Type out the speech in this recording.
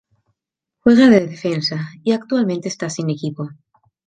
Juega de defensa y actualmente está sin equipo.